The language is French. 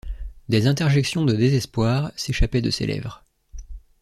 Des interjections de désespoir s’échappaient de ses lèvres.